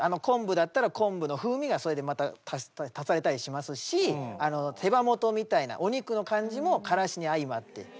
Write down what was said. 昆布だったら昆布の風味がそれでまた足されたりしますし手羽元みたいなお肉の感じもからしに相まって。